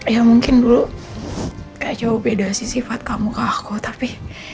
ya mungkin dulu kayak jauh beda sih sifat kamu ke aku tapi